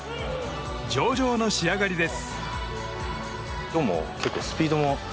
上々の仕上がりです。